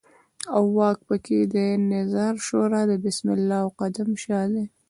او واک په کې د نظار شورا د بسم الله او قدم شاه دی.